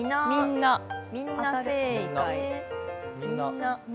みんな正解。